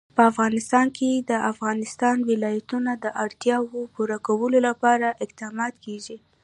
په افغانستان کې د د افغانستان ولايتونه د اړتیاوو پوره کولو لپاره اقدامات کېږي.